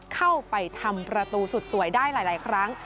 เข้าไปทำประตูสุดสวยได้หลายครั้ง